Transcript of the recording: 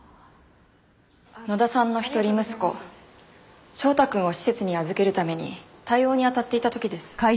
野田さんの一人息子翔太くんを施設に預けるために対応にあたっていた時です。